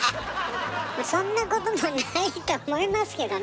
そんなこともないと思いますけどね。